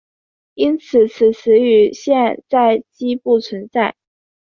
因此此词语现在几不存在。